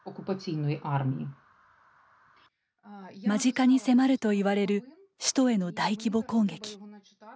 間近に迫るといわれる首都への大規模攻撃。